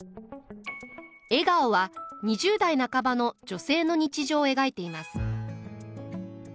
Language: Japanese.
「笑顔」は２０代半ばの女性の日常を描いています。